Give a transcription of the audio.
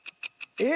えっ？